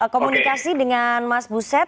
komunikasi dengan mas buset